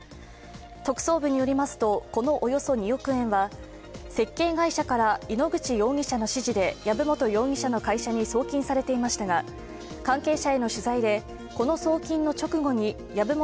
特捜部によりますと、このおよそ２億円は、設計会社から井ノ口容疑者の指示で籔本容疑者の会社に送金されていましたが、関係者への取材で、この送金の直後に籔本